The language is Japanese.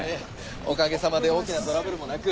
おかげさまで大きなトラブルもなく。